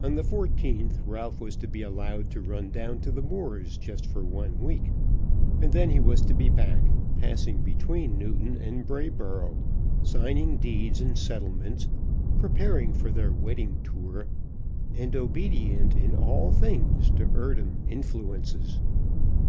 On the 14th Ralph was to be allowed to run down to the moors just for one week, and then he was to be back, passing between Newton and Brayboro', signing deeds and settlements, preparing for their wedding tour, and obedient in all things to Eardham influences.